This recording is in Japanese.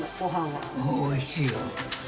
おいしいよ。